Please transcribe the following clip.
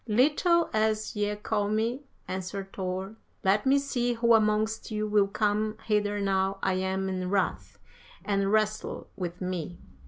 "'Little as ye call me,' answered Thor, 'let me see who amongst you will come hither now I am in wrath, and wrestle with me.'